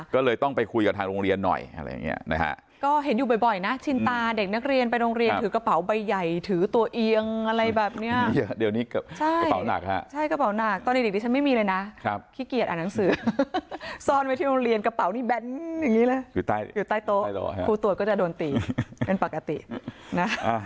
ก็เลยต้องไปคุยกับทางโรงเรียนหน่อยอะไรอย่างเงี้ยนะฮะก็เห็นอยู่บ่อยนะชินตาเด็กนักเรียนไปโรงเรียนถือกระเป๋าใบใหญ่ถือตัวเอียงอะไรแบบเนี้ยเดี๋ยวนี้กระเป๋าหนักฮะใช่กระเป๋าหนักตอนเด็กดิฉันไม่มีเลยนะขี้เกียจอ่านหนังสือซ่อนไว้ที่โรงเรียนกระเป๋านี่แบนอย่างนี้เลยอยู่ใต้โต๊ะผู้ตรวจก็จะโดนตีเป็นปกตินะ